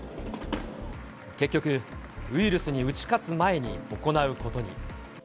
結局、ウイルスに打ち勝つ前に行うことに。